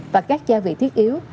và các gia vị thiết yếu